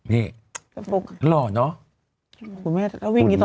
นี่ร่อนเนาะ